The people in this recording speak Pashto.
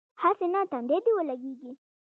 هسې نه تندی دې ولګېږي.